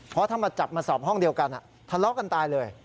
เพราะถ้ามาจับมาสอบห้องเดียวกันทะเลาะกันตายเลย